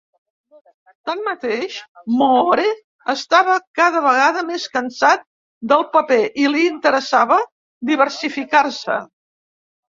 Tanmateix, Moore estava cada vegada més cansat del paper, i li interessava diversificar-se.